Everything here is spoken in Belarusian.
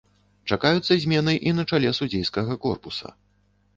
Чакаюцца змены і на чале судзейскага корпуса.